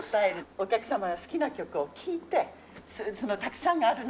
お客様が好きな曲を聴いてそのたくさんある中から。